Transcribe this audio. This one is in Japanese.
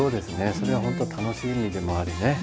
それは本当楽しみでもありね